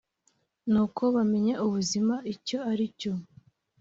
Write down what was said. nuko bamenya ubuzima icyo aricyo